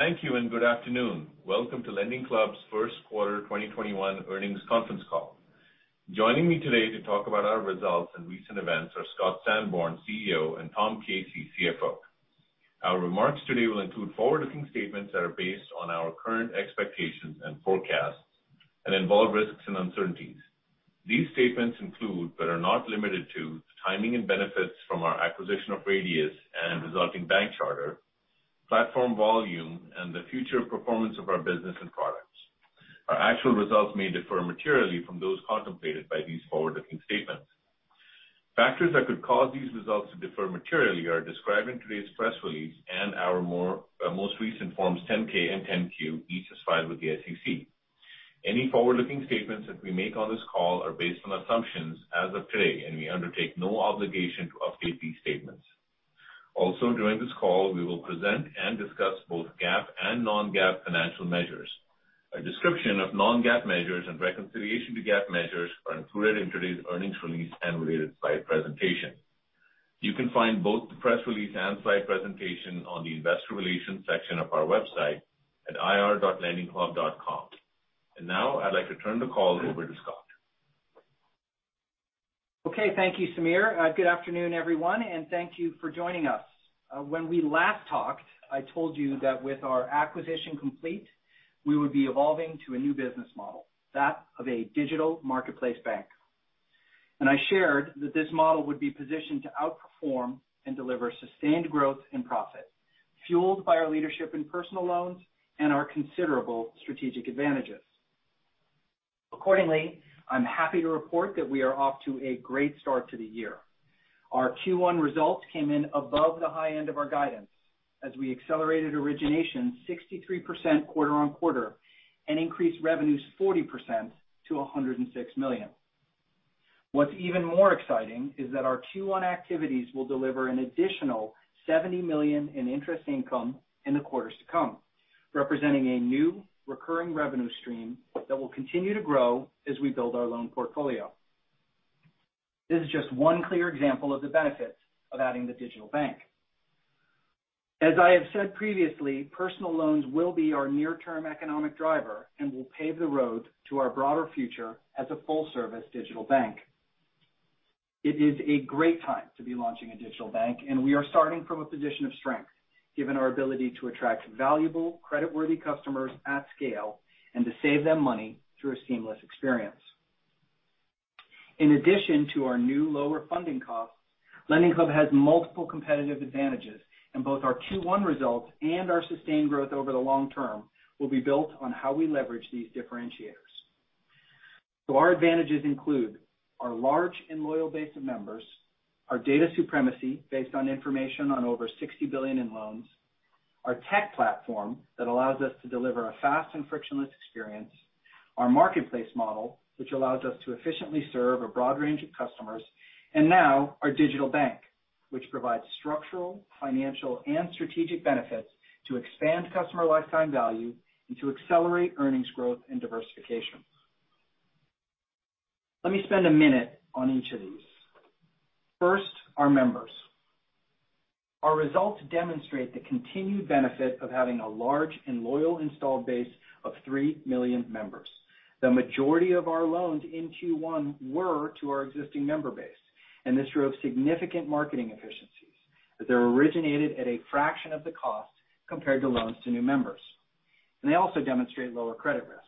Thank you, and good afternoon. Welcome to LendingClub's first quarter 2021 earnings conference call. Joining me today to talk about our results and recent events are Scott Sanborn, CEO, and Tom Casey, CFO. Our remarks today will include forward-looking statements that are based on our current expectations and forecasts and involve risks and uncertainties. These statements include, but are not limited to, the timing and benefits from our acquisition of Radius and the resulting bank charter, platform volume, and the future performance of our business and products. Our actual results may differ materially from those contemplated by these forward-looking statements. Factors that could cause these results to differ materially are described in today's press release and our most recent Forms 10-K and 10-Q, each as filed with the SEC. Any forward-looking statements that we make on this call are based on assumptions as of today, and we undertake no obligation to update these statements. Also, during this call, we will present and discuss both GAAP and non-GAAP financial measures. A description of non-GAAP measures and reconciliation to GAAP measures are included in today's earnings release and related slide presentation. You can find both the press release and slide presentation on the investor relations section of our website at ir.lendingclub.com. Now I'd like to turn the call over to Scott. Okay. Thank you, Sameer. Good afternoon, everyone, and thank you for joining us. When we last talked, I told you that with our acquisition complete, we would be evolving to a new business model, that of a digital marketplace bank. I shared that this model would be positioned to outperform and deliver sustained growth and profit, fueled by our leadership in personal loans and our considerable strategic advantages. Accordingly, I'm happy to report that we are off to a great start to the year. Our Q1 results came in above the high end of our guidance as we accelerated origination 63% quarter-on-quarter and increased revenues 40% to $106 million. What's even more exciting is that our Q1 activities will deliver an additional $70 million in interest income in the quarters to come, representing a new recurring revenue stream that will continue to grow as we build our loan portfolio. This is just one clear example of the benefits of adding the digital bank. As I have said previously, personal loans will be our near-term economic driver and will pave the road to our broader future as a full-service digital bank. It is a great time to be launching a digital bank. We are starting from a position of strength, given our ability to attract valuable, creditworthy customers at scale and to save them money through a seamless experience. In addition to our new lower funding costs, LendingClub has multiple competitive advantages, and both our Q1 results and our sustained growth over the long term will be built on how we leverage these differentiators. Our advantages include our large and loyal base of members, our data supremacy based on information on over $60 billion in loans, our tech platform that allows us to deliver a fast and frictionless experience, our marketplace model, which allows us to efficiently serve a broad range of customers, and now our digital bank, which provides structural, financial, and strategic benefits to expand customer lifetime value and to accelerate earnings growth and diversification. Let me spend a minute on each of these. First, our members. Our results demonstrate the continued benefit of having a large and loyal installed base of 3 million members. The majority of our loans in Q1 were to our existing member base; this drove significant marketing efficiencies that were originated at a fraction of the cost compared to loans to new members. They also demonstrate lower credit risk.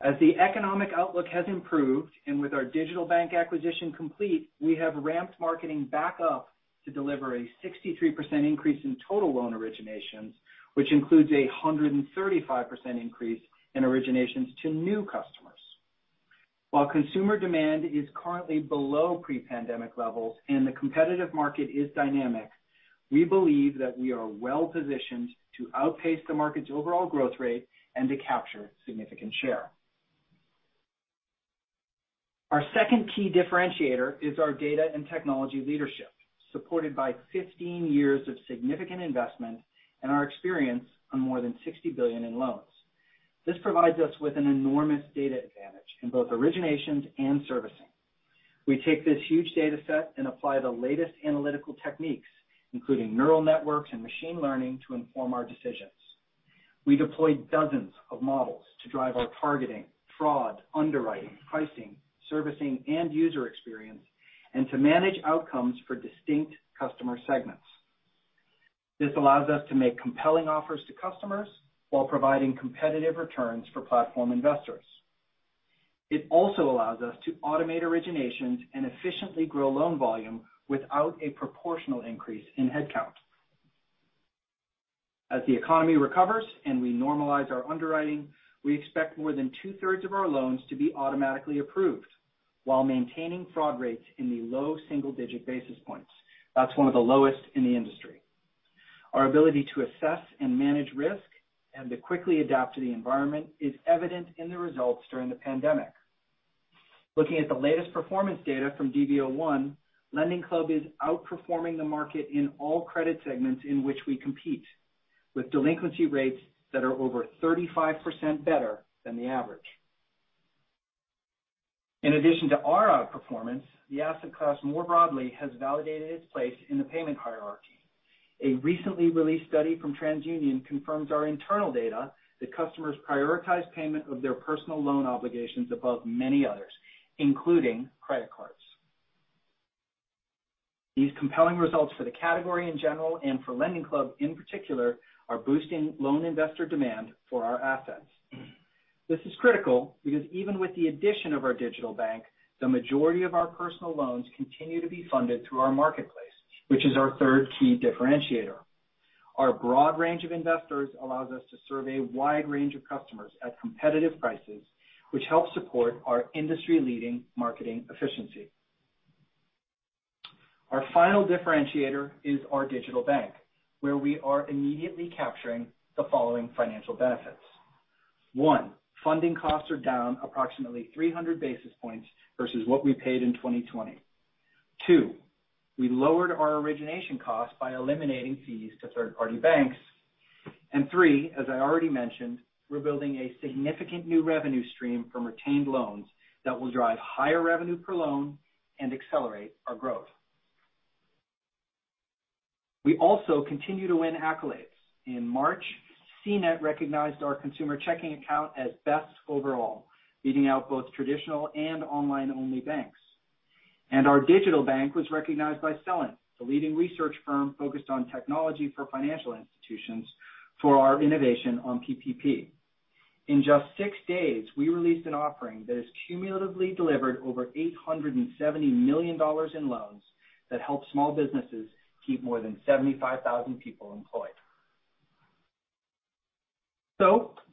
As the economic outlook has improved, and with our digital bank acquisition complete, we have ramped marketing back up to deliver a 63% increase in total loan originations, which includes a 135% increase in originations to new customers. While consumer demand is currently below pre-pandemic levels and the competitive market is dynamic, we believe that we are well-positioned to outpace the market's overall growth rate and to capture significant share. Our second key differentiator is our data and technology leadership, supported by 15 years of significant investment and our experience on more than $60 billion in loans. This provides us with an enormous data advantage in both origination and servicing. We take this huge data set and apply the latest analytical techniques, including neural networks and machine learning, to inform our decisions. We deploy dozens of models to drive our targeting, fraud, underwriting, pricing, servicing, and user experience, and to manage outcomes for distinct Customer segments. This allows us to make compelling offers to customers while providing competitive returns for platform investors. It also allows us to automate originations and efficiently grow loan volume without a proportional increase in headcount. As the economy recovers and we normalize our underwriting, we expect more than two-thirds of our loans to be automatically approved while maintaining fraud rates in the low single-digit basis points. That's one of the lowest in the industry. Our ability to assess and manage risk and to quickly adapt to the environment is evident in the results during the pandemic. Looking at the latest performance data from dv01, LendingClub is outperforming the market in all Credit segments in which we compete, with delinquency rates that are over 35% better than the average. The asset class more broadly has validated its place in the payment hierarchy. A recently released study from TransUnion confirms our internal data that customers prioritize payment of their personal loan obligations above many others, including credit cards. These compelling results for the category in general and for LendingClub in particular are boosting loan investor demand for our assets. This is critical because even with the addition of our digital bank, the majority of our personal loans continue to be funded through our marketplace, which is our third key differentiator. Our broad range of investors allows us to serve a wide range of customers at competitive prices, which helps support our industry-leading marketing efficiency. Our final differentiator is our digital bank, where we are immediately capturing the following financial benefits. One, funding costs are down approximately 300 basis points versus what we paid in 2020. Two, we lowered our origination costs by eliminating fees to third-party banks. Three, as I already mentioned, we're building a significant new revenue stream from retained loans that will drive higher revenue per loan and accelerate our growth. We also continue to win accolades. In March, CNET recognized our consumer checking account as best overall, beating out both traditional and online-only banks. Our digital bank was recognized by Celent, the leading research firm focused on technology for financial institutions, for our innovation on PPP. In just six days, we released an offering that has cumulatively delivered over $870 million in loans that helped small businesses keep more than 75,000 people employed.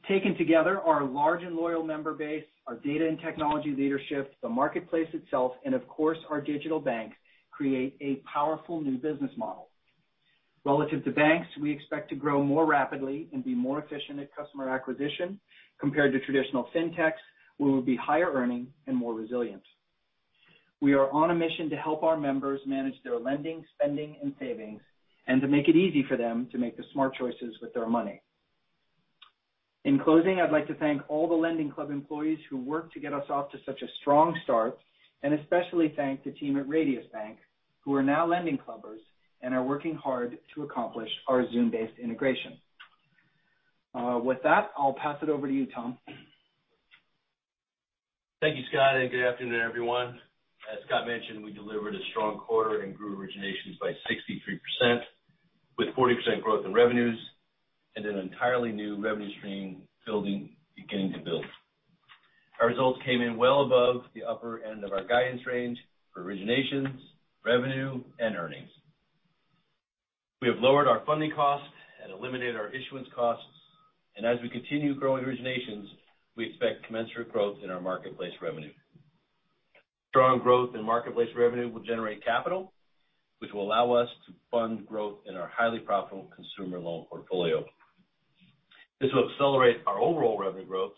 Taken together, our large and loyal member base, our data and technology leadership, the marketplace itself, and of course, our digital banks, create a powerful new business model. Relative to banks, we expect to grow more rapidly and be more efficient at customer acquisition. Compared to traditional fintechs, we will be higher earning and more resilient. We are on a mission to help our members manage their lending, spending, and savings, and to make it easy for them to make smart choices with their money. In closing, I'd like to thank all the LendingClub employees who worked to get us off to such a strong start, and especially thank the team at Radius Bank, who are now LendingClubbers and are working hard to accomplish our Zoom-based integration. With that, I'll pass it over to you, Tom. Thank you, Scott, and good afternoon, everyone. As Scott mentioned, we delivered a strong quarter and grew originations by 63%, with 40% growth in revenues and an entirely new revenue stream beginning to build. Our results came in well above the upper end of our guidance range for originations, revenue, and earnings. We have lowered our funding costs and eliminated our issuance costs, and as we continue growing originations, we expect commensurate growth in our marketplace revenue. Strong growth in marketplace revenue will generate capital, which will allow us to fund growth in our highly profitable consumer loan portfolio. This will accelerate our overall revenue growth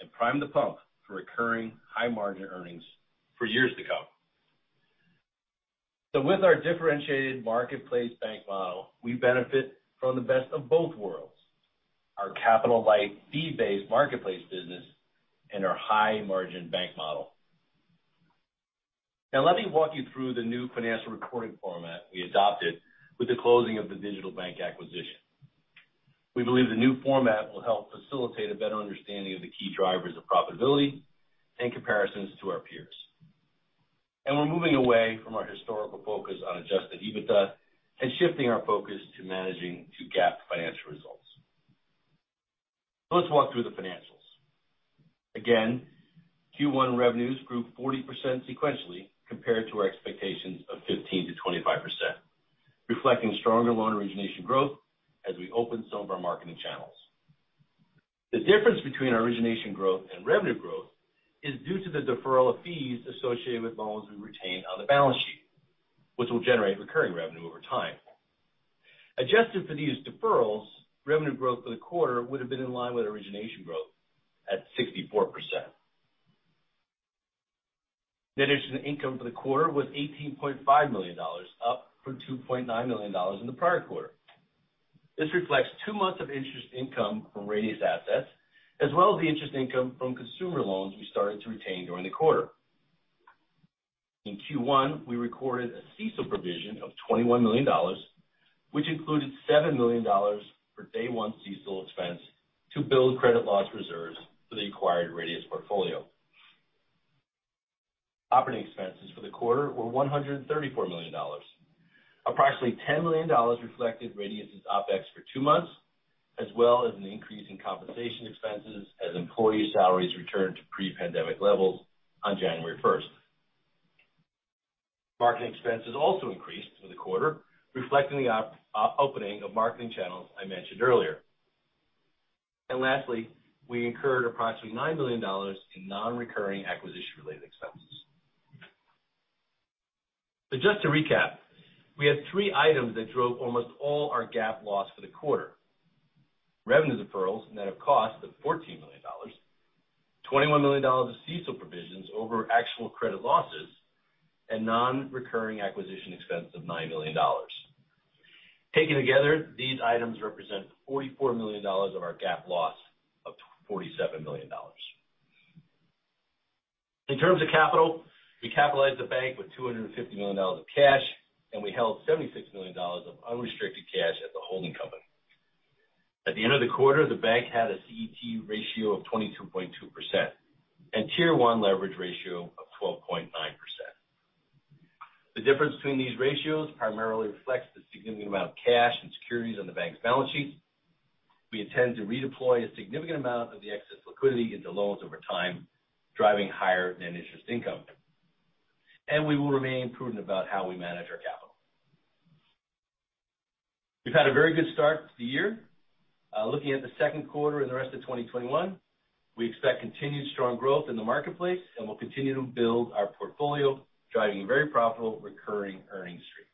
and prime the pump for recurring high-margin earnings for years to come. With our differentiated marketplace bank model, we benefit from the best of both worlds: our capital-light fee-based marketplace business and our high-margin bank model. Now, let me walk you through the new financial reporting format we adopted with the closing of the digital bank acquisition. We believe the new format will help facilitate a better understanding of the key drivers of profitability and comparisons to our peers. We're moving away from our historical focus on adjusted EBITDA and shifting our focus to managing to GAAP financial results. Let's walk through the financials. Again, Q1 revenues grew 40% sequentially compared to our expectations of 15%-25%, reflecting stronger loan origination growth as we opened some of our marketing channels. The difference between our origination growth and revenue growth is due to the deferral of fees associated with loans we retain on the balance sheet, which will generate recurring revenue over time. Adjusted for these deferrals, revenue growth for the quarter would have been in line with origination growth at 64%. Net interest income for the quarter was $18.5 million, up from $2.9 million in the prior quarter. This reflects two months of interest income from Radius assets, as well as the interest income from consumer loans we started to retain during the quarter. In Q1, we recorded a CECL provision of $21 million, which included $7 million for day one CECL expense to build credit loss reserves for the acquired Radius portfolio. Operating expenses for the quarter were $134 million. Approximately $10 million reflected Radius's OpEx for two months, as well as an increase in compensation expenses as employee salaries returned to pre-pandemic levels on January 1st. Marketing expenses also increased for the quarter, reflecting the opening of marketing channels I mentioned earlier. Lastly, we incurred approximately $9 million in non-recurring acquisition-related expenses. Just to recap, we had three items that drove almost all our GAAP loss for the quarter. Revenue deferrals, net of cost of $14 million, $21 million of CECL provisions over actual credit losses, and non-recurring acquisition expense of $9 million. Taken together, these items represent $44 million of our GAAP loss of $47 million. In terms of capital, we capitalized the bank with $250 million of cash, and we held $76 million of unrestricted cash at the holding company. At the end of the quarter, the bank had a CET1 ratio of 22.2% and a Tier 1 leverage ratio of 12.9%. The difference between these ratios primarily reflects the significant amount of cash and securities on the bank's balance sheet. We intend to redeploy a significant amount of the excess liquidity into loans over time, driving higher net interest income. We will remain prudent about how we manage our capital. We've had a very good start to the year. Looking at the second quarter and the rest of 2021, we expect continued strong growth in the marketplace, and we'll continue to build our portfolio, driving a very profitable recurring earnings stream.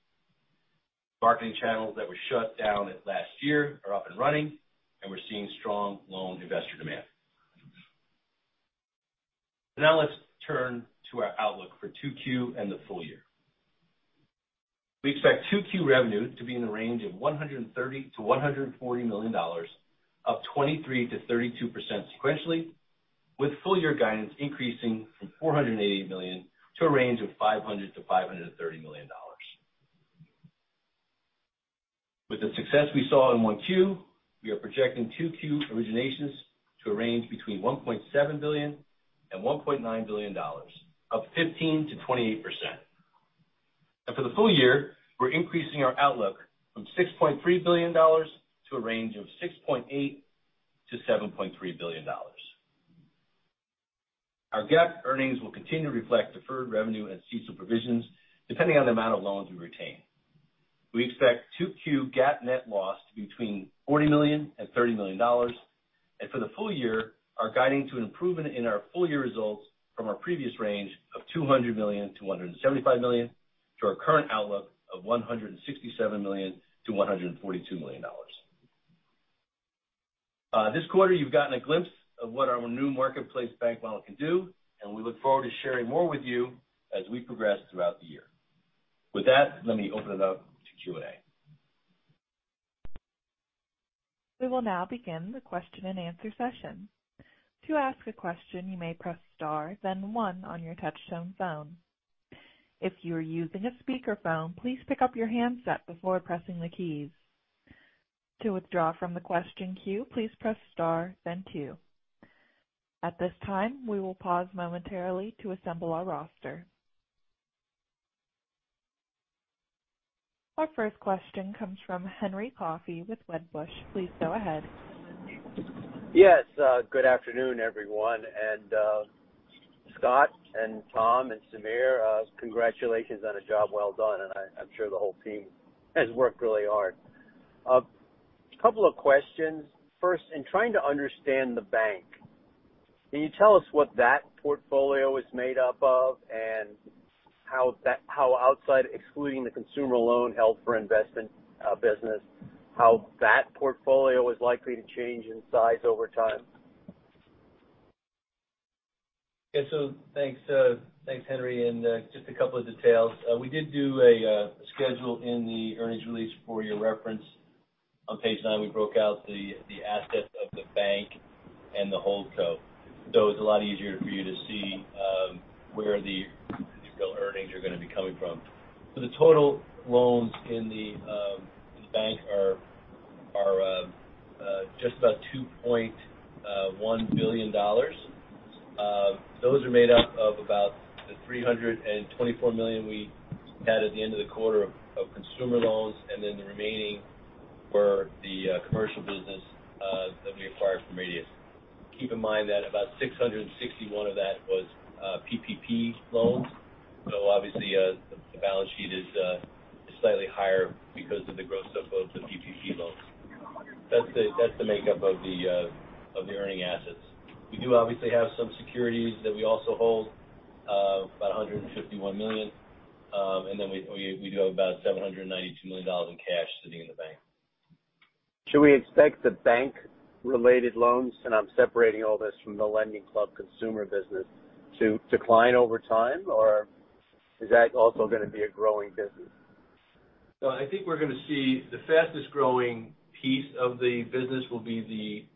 Marketing channels that were shut down last year are up and running, and we're seeing strong loan investor demand. Let's turn to our outlook for 2Q and the full year. We expect 2Q revenue to be in the range of $130 million-$140 million, up 23%-32% sequentially, with full-year guidance increasing from $480 million to a range of $500 million-$530 million. With the success we saw in 1Q, we are projecting 2Q originations to a range between $1.7 billion and $1.9 billion, up 15%-28%. For the full year, we're increasing our outlook from $6.3 billion to a range of $6.8 billion-$7.3 billion. Our GAAP earnings will continue to reflect deferred revenue and CECL provisions, depending on the amount of loans we retain. We expect 2Q GAAP net loss between $40 million and $30 million. For the full year, we are guiding to an improvement in our full-year results from our previous range of $200 million-$175 million to our current outlook of $167 million-$142 million. This quarter, you've gotten a glimpse of what our new marketplace bank model can do, and we look forward to sharing more with you as we progress throughout the year. With that, let me open it up to Q&A. We will now begin the question-and-answer session. To ask a question, you may press star then one on your touchtone phone. If you are using a speakerphone, please pick up your handset before pressing the keys. To withdraw from the question queue, please press star then two. At this time, we will pause momentarily to assemble our roster. Our first question comes from Henry Coffey with Wedbush. Please go ahead. Yes. Good afternoon, everyone. Scott, and Tom, and Sameer, congratulations on a job well done, and I'm sure the whole team has worked really hard. A couple of questions. First, in trying to understand the bank, can you tell us what that portfolio is made up of and how outside, excluding the personal loan held for investment business, how that portfolio is likely to change in size over time? Thanks, Henry. Just a couple of details. We did do a schedule in the earnings release for your reference. On page nine, we broke out the assets of the bank and the holdco. It's a lot easier for you to see where the earnings are going to be coming from. The total loans in the bank are just about $2.1 billion. Those are made up of about the $324 million we had at the end of the quarter of consumer loans, the remaining were the commercial business that we acquired from Radius. Keep in mind that about $661 of that was PPP loans. Obviously, the balance sheet is slightly higher because of the gross uploads of PPP loans. That's the makeup of the earning assets. We do obviously have some securities that we also hold, about $151 million. We do have about $792 million in cash sitting in the bank. Should we expect the bank-related loans, and I'm separating all this from the LendingClub consumer business, to decline over time, or is that also going to be a growing business? I think we're going to see the fastest-growing piece of the business will be the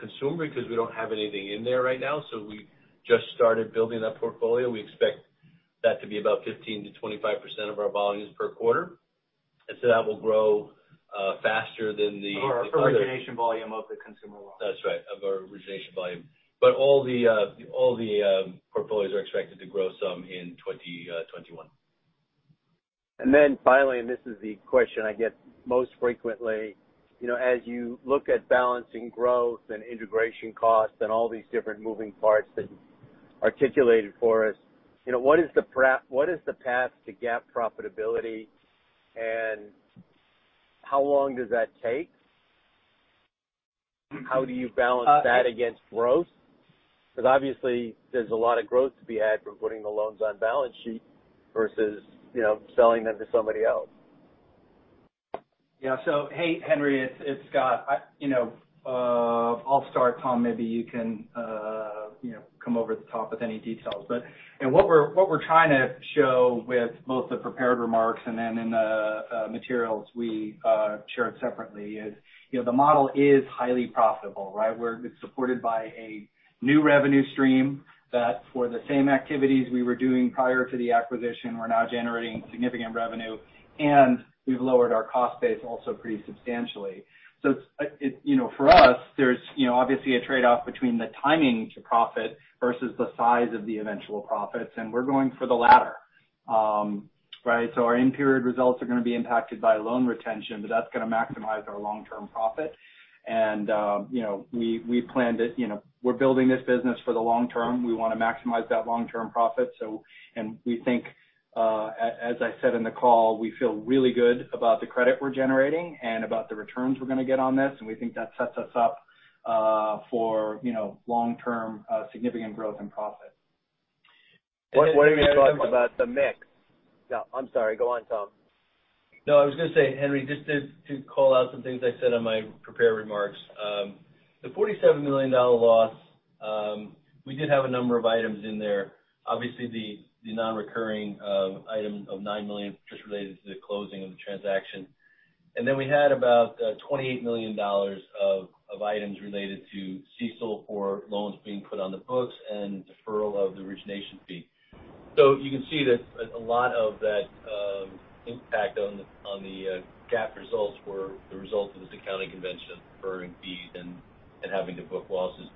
consumer because we don't have anything in there right now. We just started building that portfolio. We expect that to be about 15%-25% of our volumes per quarter. That will grow faster than the. For the origination volume of the consumer loan. That's right, of our origination volume. All the portfolios are expected to grow some in 2021. Finally, and this is the question I get most frequently. As you look at balancing growth and integration costs and all these different moving parts that you articulated for us, what is the path to GAAP profitability, and how long does that take? How do you balance that against growth? Obviously, there's a lot of growth to be had from putting the loans on the balance sheet versus selling them to somebody else. Yeah. Hey, Henry, it's Scott. I'll start, Tom. Maybe you can come over the top with any details. What we're trying to show with both the prepared remarks and then in the materials we shared separately is the model is highly profitable, right? It's supported by a new revenue stream, that for the same activities we were doing prior to the acquisition, we're now generating significant revenue, and we've lowered our cost base also pretty substantially. For us, there's obviously a trade-off between the timing to profit versus the size of the eventual profits, and we're going for the latter. Our in-period results are going to be impacted by loan retention, but that's going to maximize our long-term profit. We're building this business for the long term. We want to maximize that long-term profit. We think, as I said in the call, we feel really good about the credit we're generating, and about the returns we're going to get on this, and we think that sets us up for long-term significant growth and profit. What are your thoughts about the mix? No, I'm sorry. Go on, Tom. I was going to say, Henry, just to call out some things I said in my prepared remarks. The $47 million loss, we did have a number of items in there. Obviously, the non-recurring item of $9 million just related to the closing of the transaction. We had about $28 million of items related to CECL for loans being put on the books and deferral of the origination fee. You can see that a lot of that impact on the GAAP results were the result of this accounting convention, deferring fees and having to book losses.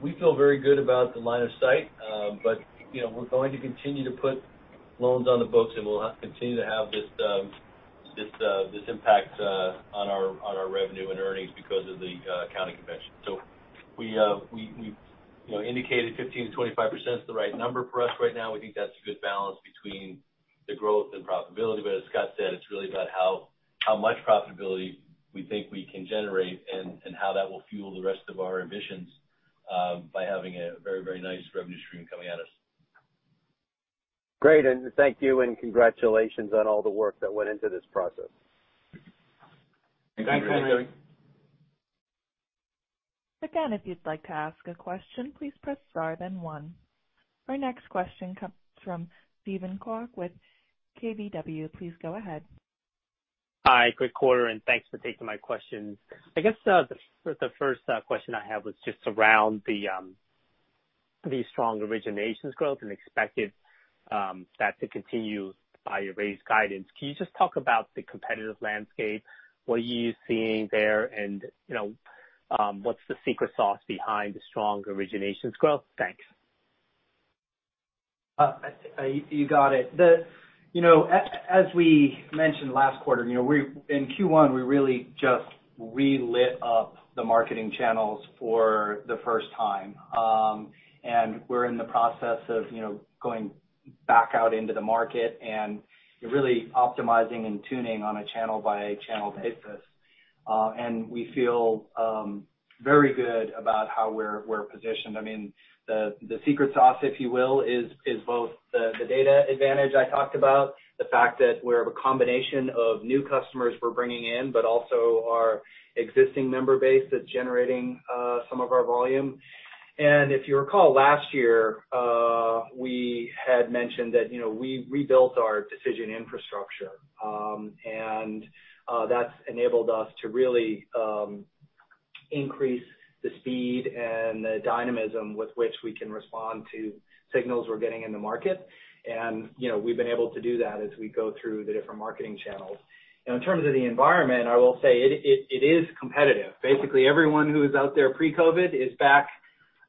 We feel very good about the line of sight, but we're going to continue to put loans on the books, and we'll continue to have this impact on our revenue and earnings because of the accounting convention. We indicated 15%-25% is the right number for us right now. We think that's a good balance between the growth and profitability. As Scott said, it's really about how much profitability we think we can generate and how that will fuel the rest of our ambitions by having a very nice revenue stream coming at us. Great. Thank you, and congratulations on all the work that went into this process. Thank you. Thanks, Henry. Again, if you'd like to ask a question, please press star then one. Our next question comes from Steven Kwok with KBW. Please go ahead. Hi, good quarter, and thanks for taking my question. I guess the first question I have was just around the strong originations growth and expected that to continue by your raised guidance. Can you just talk about the competitive landscape, what you're seeing there, and what's the secret sauce behind the strong originations growth? Thanks. You got it. As we mentioned last quarter, in Q1, we really just re-lit up the marketing channels for the first time. We're in the process of going back out into the market and really optimizing and tuning on a channel-by-channel basis. We feel very good about how we're positioned. The secret sauce, if you will, is both the data advantage I talked about. The fact that we're a combination of new customers we're bringing in, but also our existing member base, that's generating some of our volume. If you recall, last year, we had mentioned that we rebuilt our decision infrastructure. That's enabled us to really increase the speed and the dynamism with which we can respond to signals we're getting in the market. We've been able to do that as we go through the different marketing channels. In terms of the environment, I will say it is competitive. Basically, everyone who was out there pre-COVID is back.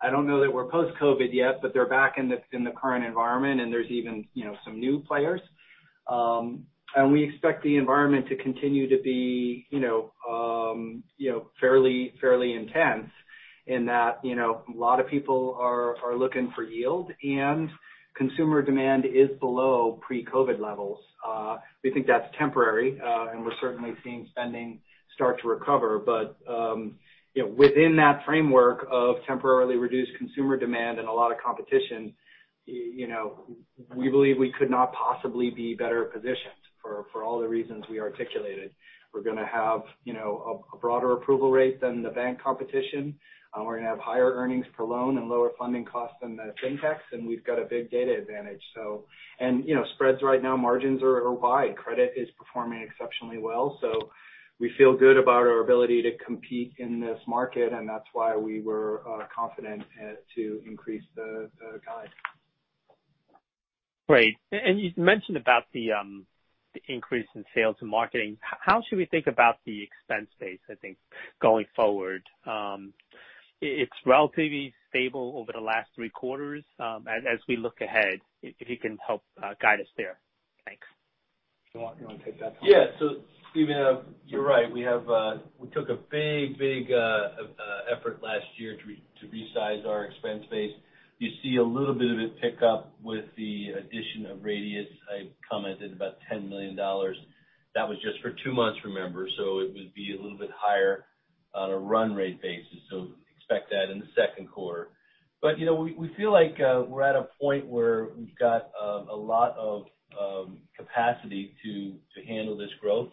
I don't know that we're post-COVID yet, but they're back in the current environment, and there's even some new players. We expect the environment to continue to be fairly intense in that a lot of people are looking for yield, and consumer demand is below pre-COVID levels. We think that's temporary, and we're certainly seeing spending start to recover. Within that framework of temporarily reduced consumer demand and a lot of competition, we believe we could not possibly be better positioned for all the reasons we articulated. We're going to have a broader approval rate than the bank competition. We're going to have higher earnings per loan and lower funding costs than the fintechs, and we've got a big data advantage. Spreads right now, margins are wide. Credit is performing exceptionally well. We feel good about our ability to compete in this market, and that's why we were confident to increase the guide. Great. You mentioned about the increase in sales and marketing. How should we think about the expense base, I think, going forward? It's been relatively stable over the last three quarters. As we look ahead, if you can help guide us there. Thanks. You want to take that, Tom? Steven, you're right. We took a big effort last year to resize our expense base. You see a little bit of it pick up with the addition of Radius. I commented about $10 million. That was just for two months, remember, so it would be a little bit higher on a run-rate basis. Expect that in the second quarter. We feel like we're at a point where we've got a lot of capacity to handle this growth.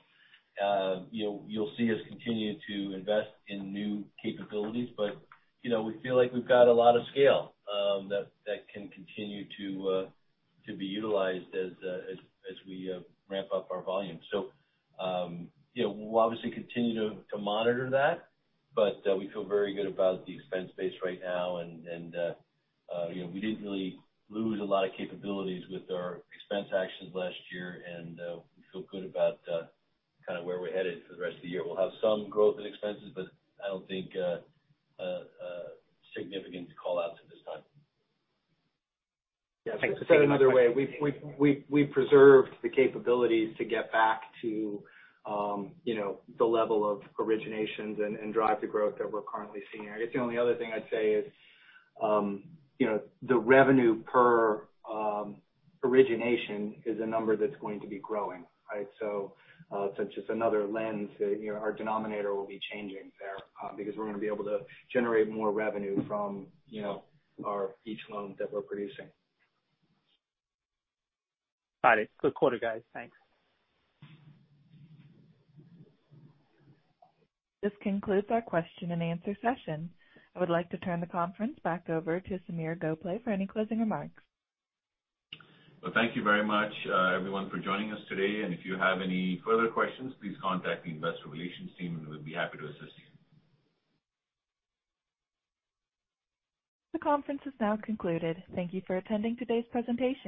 You'll see us continue to invest in new capabilities, but we feel like we've got a lot of scale that can continue to be utilized as we ramp up our volume. We'll obviously continue to monitor that, but we feel very good about the expense base right now, and we didn't really lose a lot of capabilities with our expense actions last year, and we feel good about where we're headed for the rest of the year. We'll have some growth in expenses, but I don't think significant to call out at this time. Thanks. To say it another way, we preserved the capabilities to get back to the level of originations and drive the growth that we're currently seeing. I guess the only other thing I'd say is the revenue per origination is a number that's going to be growing. It's just another lens. Our denominator will be changing there because we're going to be able to generate more revenue from each loan that we're producing. Got it. Good quarter, guys. Thanks. This concludes our question-and-answer session. I would like to turn the conference back over to Sameer Gokhale for any closing remarks. Well, thank you very much, everyone, for joining us today. If you have any further questions, please contact the investor relations team, and we'll be happy to assist you. The conference is now concluded. Thank you for attending today's presentation.